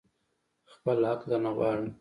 خپل حق درنه غواړم.